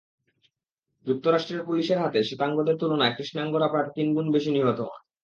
যুক্তরাষ্ট্রের পুলিশের হাতে শ্বেতাঙ্গদের তুলনায় কৃষ্ণাঙ্গরা প্রায় তিন গুণ বেশি নিহত হন।